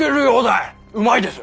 うまいです。